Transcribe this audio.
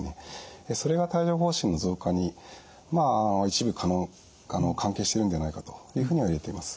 それが帯状ほう疹の増加に一部関係しているのではないかというふうにいわれています。